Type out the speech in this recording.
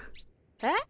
えっ？